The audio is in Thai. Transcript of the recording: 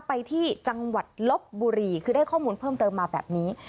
ไปที่จังหวัดลบบุรีคือได้ข้อมูลเพิ่มเติมมาแบบนี้